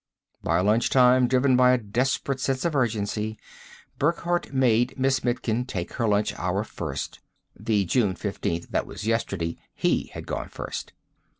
By lunchtime, driven by a desperate sense of urgency, Burckhardt made Miss Mitkin take her lunch hour first the June fifteenth that was yesterday, he had gone first.